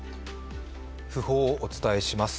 訃報をお伝えします。